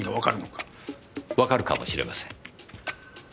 わかるかもしれません。